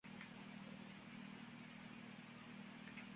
Algunos servidores desactivan los comandos msg.